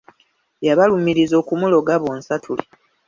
Yabalumiriza okumuloga bonsatule.